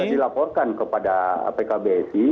sudah dilaporkan kepada pkbsi